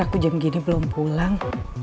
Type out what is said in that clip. aku jam gini belum pulang